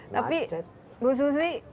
tapi bu susi